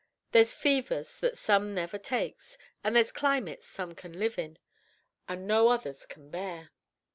There's fevers that some never takes; and there's climates some can live in, and no others can bear!